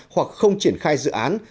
hoặc không triển khai dự án